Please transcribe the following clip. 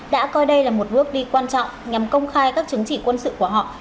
đã coi đây là một bước đi quan trọng nhằm công khai các chứng chỉ quân sự của họ